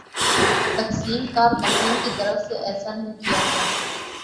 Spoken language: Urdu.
تقسیم کار کمپنیوں کی طرف سے ایسا نہیں کیا گیا